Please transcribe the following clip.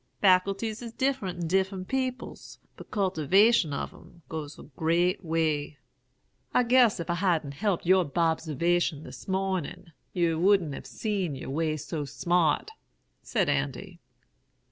Faculties is different in different peoples; but cultivation of 'em goes a great way.' "'I guess if I hadn't helped your bobservation dis mornin', yer wouldn't have seen yer way so smart,' said Andy.